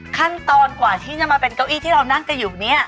ขั้นตอนกว่าที่จะมาเป็นเก้าอี้ที่เรานั่งกันอยู่เนี่ย